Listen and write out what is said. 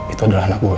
itu adalah anak gue